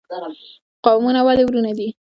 قومونه ولې ورونه دي؟